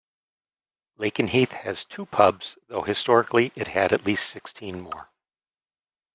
Lakenheath has two pubs though historically it had at least sixteen more.